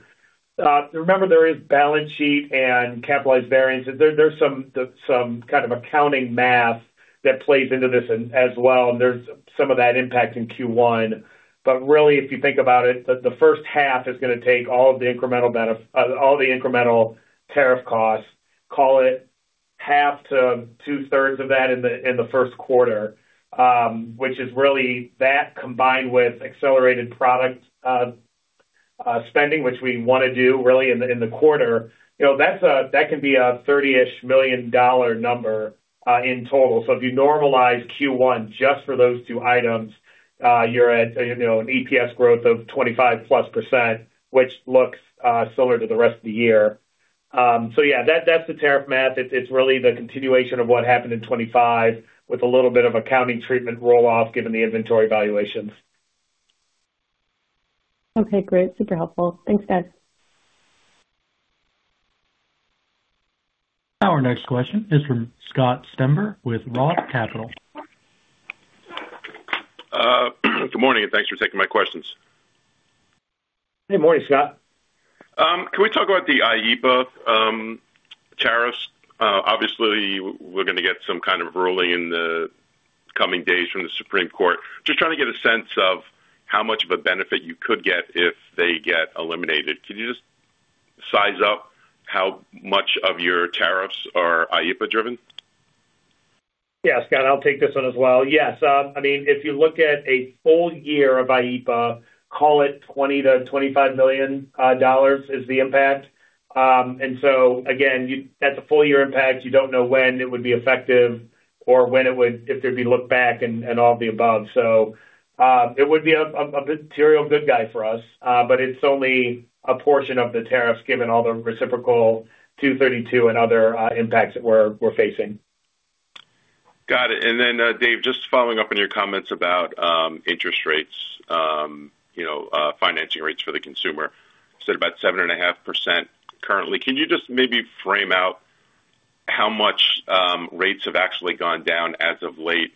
Remember, there is balance sheet and capitalized variance. There's some kind of accounting math that plays into this as well. And there's some of that impact in Q1. But really, if you think about it, the first half is going to take all of the incremental tariff costs, call it half to two-thirds of that in the first quarter, which is really that combined with accelerated product spending, which we want to do really in the quarter. That can be a $30-ish million number in total. So if you normalize Q1 just for those two items, you're at an EPS growth of 25%+, which looks similar to the rest of the year. So yeah, that's the tariff math. It's really the continuation of what happened in 2025 with a little bit of accounting treatment roll off given the inventory valuations. Okay. Great. Super helpful. Thanks, that. Our next question is from Scott Stember with Roth Capital. Good morning, and thanks for taking my questions. Hey, morning, Scott. Can we talk about the IEEPA tariffs? Obviously, we're going to get some kind of ruling in the coming days from the Supreme Court. Just trying to get a sense of how much of a benefit you could get if they get eliminated. Can you just size up how much of your tariffs are IEEPA-driven? Yeah, Scott, I'll take this one as well. Yes. I mean, if you look at a full year of IEEPA, call it $20 million-$25 million is the impact. And so again, that's a full-year impact. You don't know when it would be effective or when it would, if there'd be a look back and all of the above. So it would be a material good guy for us, but it's only a portion of the tariffs given all the reciprocal 232 and other impacts that we're facing. Got it. And then, Dave, just following up on your comments about interest rates, financing rates for the consumer, you said about 7.5% currently. Can you just maybe frame out how much rates have actually gone down as of late,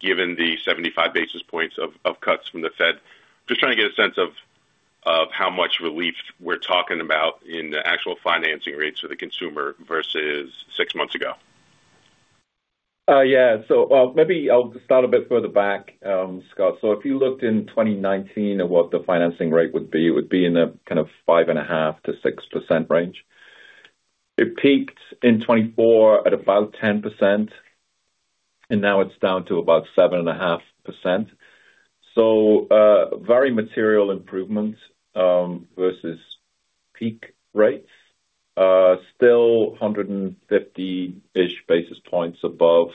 given the 75 basis points of cuts from the Fed? Just trying to get a sense of how much relief we're talking about in the actual financing rates for the consumer versus six months ago. Yeah. So maybe I'll start a bit further back, Scott. So if you looked in 2019 at what the financing rate would be, it would be in the kind of 5.5%-6% range. It peaked in 2024 at about 10%, and now it's down to about 7.5%. So very material improvements versus peak rates. Still 150 basis points above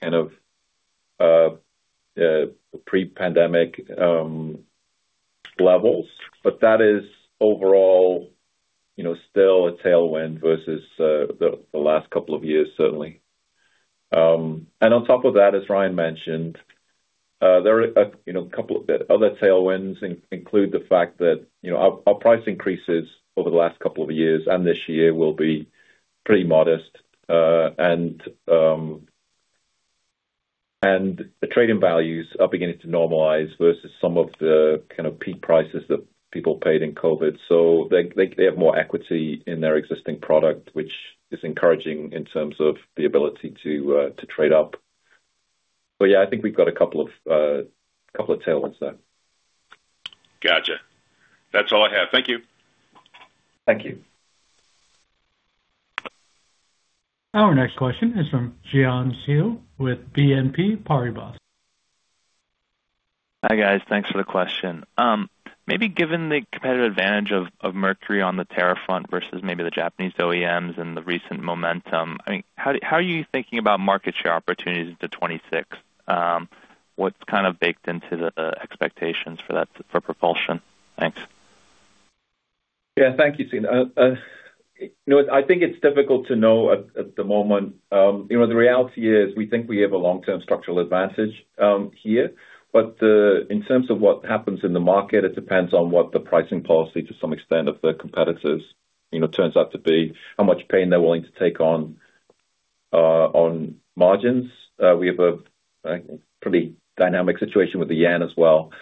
kind of pre-pandemic levels. But that is overall still a tailwind versus the last couple of years, certainly. And on top of that, as Ryan mentioned, there are a couple of other tailwinds, including the fact that our price increases over the last couple of years and this year will be pretty modest. And the trading values are beginning to normalize versus some of the kind of peak prices that people paid in COVID. So they have more equity in their existing product, which is encouraging in terms of the ability to trade up. But yeah, I think we've got a couple of tailwinds there. Gotcha. That's all I have. Thank you. Thank you. Our next question is from Xian Siew with BNP Paribas. Hi, guys. Thanks for the question. Maybe given the competitive advantage of Mercury on the tariff front versus maybe the Japanese OEMs and the recent momentum, I mean, how are you thinking about market share opportunities into 2026? What's kind of baked into the expectations for propulsion? Thanks. Yeah. Thank you, Xian. I think it's difficult to know at the moment. The reality is we think we have a long-term structural advantage here. But in terms of what happens in the market, it depends on what the pricing policy to some extent of the competitors turns out to be, how much pain they're willing to take on margins. We have a pretty dynamic situation with the yen as well.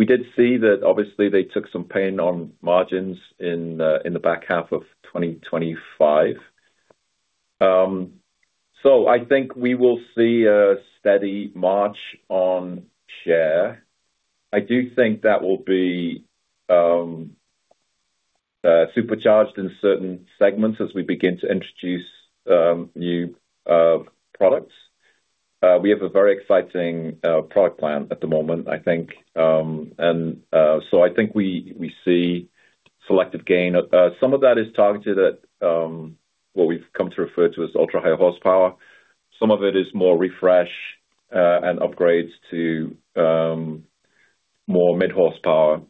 We did see that, obviously, they took some pain on margins in the back half of 2025. So I think we will see a steady march on share. I do think that will be supercharged in certain segments as we begin to introduce new products. We have a very exciting product plan at the moment, I think. And so I think we see selective gain. Some of that is targeted at what we've come to refer to as ultra-high horsepower. Some of it is more refresh and upgrades to more mid-horsepower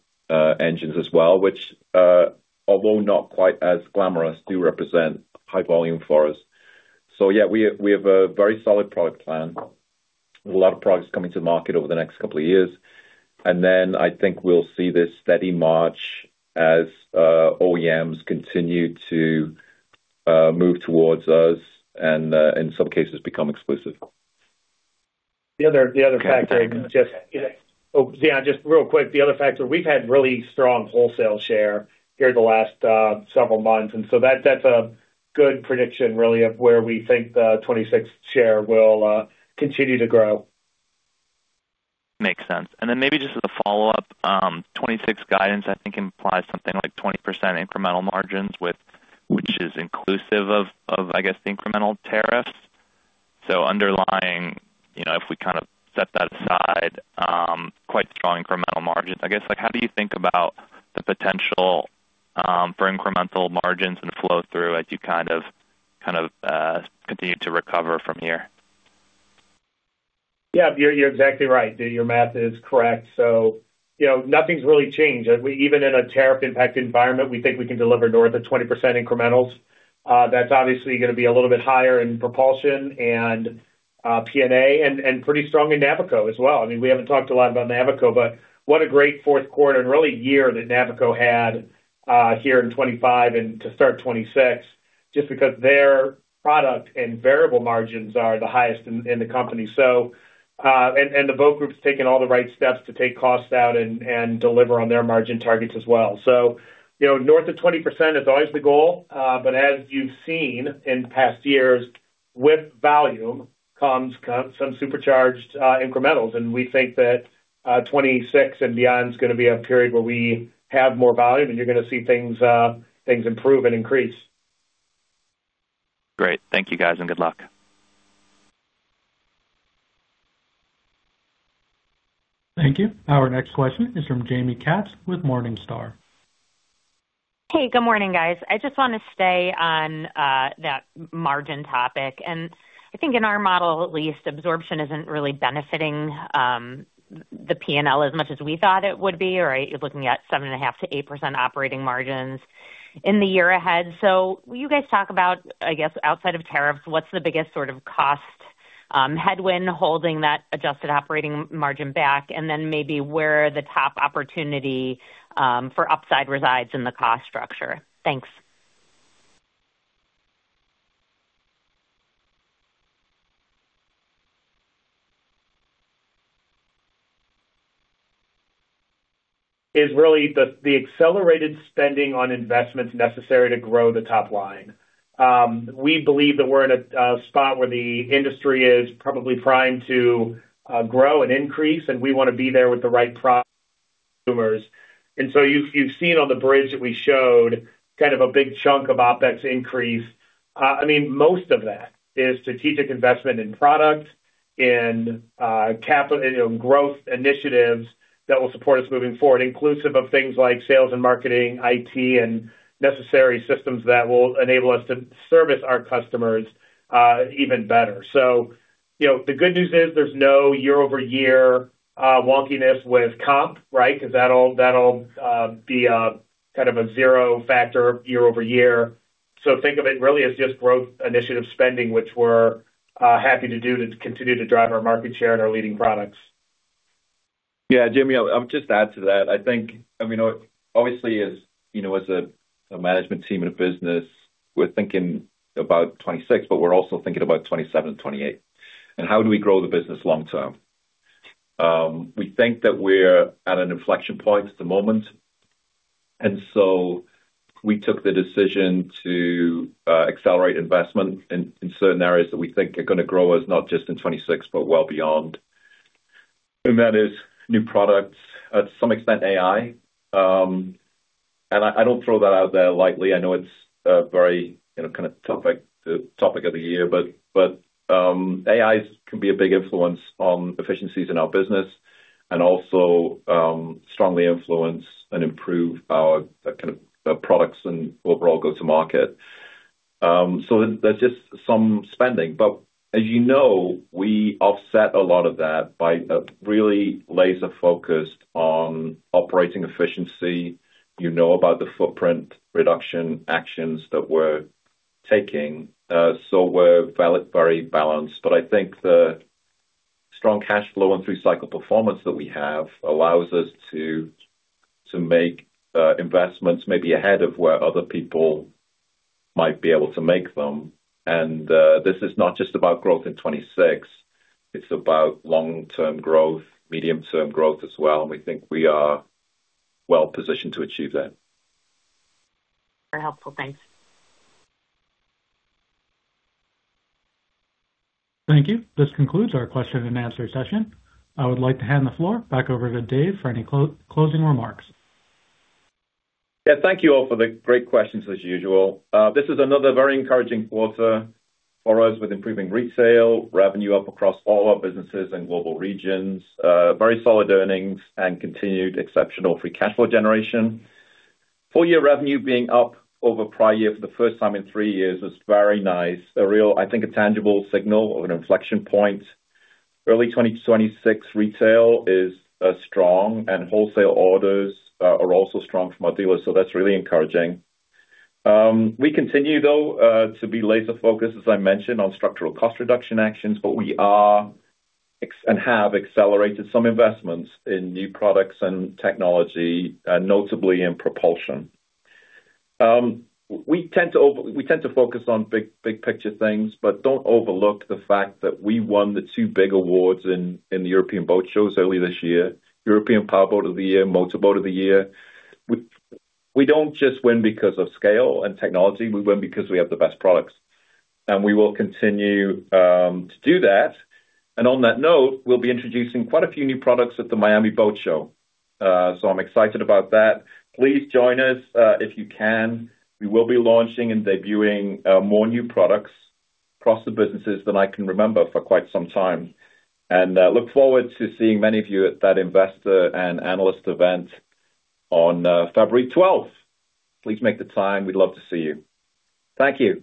engines as well, which, although not quite as glamorous, do represent high volume for us. So yeah, we have a very solid product plan. A lot of products coming to the market over the next couple of years. And then I think we'll see this steady march as OEMs continue to move towards us and, in some cases, become exclusive. The other factor, just yeah, just real quick, the other factor, we've had really strong wholesale share here the last several months. So that's a good prediction, really, of where we think the 2026 share will continue to grow. Makes sense. Then maybe just as a follow-up, 2026 guidance, I think, implies something like 20% incremental margins, which is inclusive of, I guess, the incremental tariffs. So underlying, if we kind of set that aside, quite strong incremental margins. I guess, how do you think about the potential for incremental margins and flow-through as you kind of continue to recover from here? Yeah, you're exactly right. Your math is correct. So nothing's really changed. Even in a tariff-impact environment, we think we can deliver north of 20% incrementals. That's obviously going to be a little bit higher in propulsion and PNA and pretty strong in Navico as well. I mean, we haven't talked a lot about Navico, but what a great fourth quarter and really year that Navico had here in 2025 and to start 2026, just because their product and variable margins are the highest in the company. And the boat group's taken all the right steps to take costs out and deliver on their margin targets as well. So north of 20% is always the goal. But as you've seen in past years, with volume comes some supercharged incrementals. And we think that 2026 and beyond is going to be a period where we have more volume, and you're going to see things improve and increase. Great. Thank you, guys, and good luck. Thank you. Our next question is from Jaime Katz with Morningstar. Hey, good morning, guys. I just want to stay on that margin topic. And I think in our model at least, absorption isn't really benefiting the PNA as much as we thought it would be, right? You're looking at 7.5%-8% operating margins in the year ahead. So will you guys talk about, I guess, outside of tariffs, what's the biggest sort of cost headwind holding that adjusted operating margin back? And then maybe where the top opportunity for upside resides in the cost structure. Thanks. Is really the accelerated spending on investments necessary to grow the top line. We believe that we're in a spot where the industry is probably primed to grow and increase, and we want to be there with the right product consumers. And so you've seen on the bridge that we showed kind of a big chunk of OpEx increase. I mean, most of that is strategic investment in product, in growth initiatives that will support us moving forward, inclusive of things like sales and marketing, IT, and necessary systems that will enable us to service our customers even better. So the good news is there's no year-over-year wonkiness with comp, right? Because that'll be kind of a zero factor year-over-year. So think of it really as just growth initiative spending, which we're happy to do to continue to drive our market share and our leading products. Yeah. Jaime, I'll just add to that. I think, I mean, obviously, as a management team in a business, we're thinking about 2026, but we're also thinking about 2027 and 2028. How do we grow the business long-term? We think that we're at an inflection point at the moment. So we took the decision to accelerate investment in certain areas that we think are going to grow us not just in 2026, but well beyond. And that is new products, to some extent AI. And I don't throw that out there lightly. I know it's a very kind of topic of the year, but AI can be a big influence on efficiencies in our business and also strongly influence and improve our kind of products and overall go-to-market. So there's just some spending. But as you know, we offset a lot of that by really laser-focused on operating efficiency. You know about the footprint reduction actions that we're taking. So we're very balanced. But I think the strong cash flow and through cycle performance that we have allows us to make investments maybe ahead of where other people might be able to make them. This is not just about growth in 2026. It's about long-term growth, medium-term growth as well. We think we are well-positioned to achieve that. Very helpful. Thanks. Thank you. This concludes our question-and-answer session. I would like to hand the floor back over to Dave for any closing remarks. Yeah. Thank you all for the great questions, as usual. This is another very encouraging quarter for us with improving retail revenue up across all our businesses and global regions, very solid earnings, and continued exceptional free cash flow generation. Full-year revenue being up over prior year for the first time in three years is very nice. A real, I think, a tangible signal of an inflection point. Early 2026 retail is strong, and wholesale orders are also strong from our dealers. So that's really encouraging. We continue, though, to be laser-focused, as I mentioned, on structural cost reduction actions, but we are and have accelerated some investments in new products and technology, notably in propulsion. We tend to focus on big picture things, but don't overlook the fact that we won the two big awards in the European Boat Shows early this year: European Powerboat of the Year, Motor Boat of the Year. We don't just win because of scale and technology. We win because we have the best products. And we will continue to do that. And on that note, we'll be introducing quite a few new products at the Miami Boat Show. So I'm excited about that. Please join us if you can. We will be launching and debuting more new products across the businesses than I can remember for quite some time. Look forward to seeing many of you at that investor and analyst event on February 12th. Please make the time. We'd love to see you. Thank you.